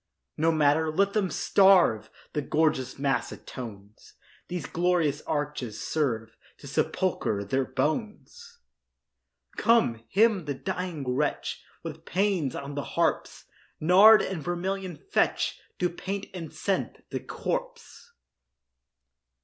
No matter—let them starve! The gorgeous mass atones; These glorious arches serve To sepulchre their bones. Come, hymn the dying wretch With pæans on the harps; Nard and vermilion fetch To paint and scent the corpse.